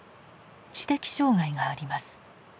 知的障害があります。